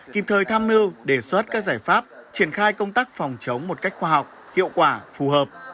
kịp thời tham mưu đề xuất các giải pháp triển khai công tác phòng chống một cách khoa học hiệu quả phù hợp